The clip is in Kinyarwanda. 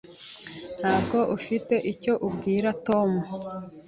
Ntabwo ufite icyo ubwira Tom?